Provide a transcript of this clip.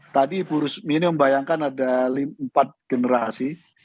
tadi ibu rusmini membayangkan ada empat generasi